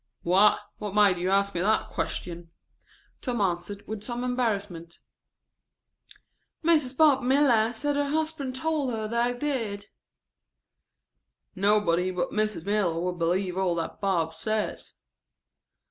"Why what made you ask me that question?" Tom answered with some embarrassment. "Mrs. Bob Miller said her husband told her they did." "Nobody but Mrs. Miller would believe all that Bob says."